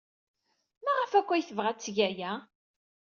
Maɣef akk ay tebɣa ad teg aya?